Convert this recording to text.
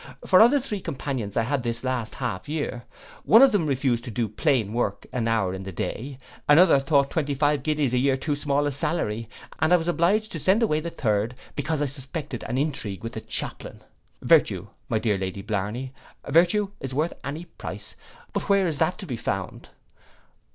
For of the three companions I had this last half year, one of them refused to do plain work an hour in the day, another thought twenty five guineas a year too small a salary, and I was obliged to send away the third, because I suspected an intrigue with the chaplain. Virtue, my dear Lady Blarney, virtue is worth any price; but where is that to be found?